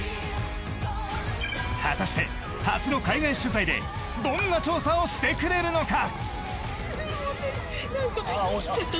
果たして、初の海外取材でどんな調査をしてくれるのか。